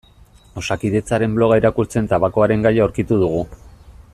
Osakidetzaren bloga irakurtzen tabakoaren gaia aurkitu dugu.